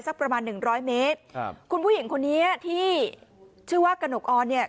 ประมาณหนึ่งร้อยเมตรครับคุณผู้หญิงคนนี้ที่ชื่อว่ากระหนกออนเนี่ย